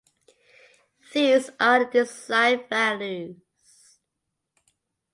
These are the design values.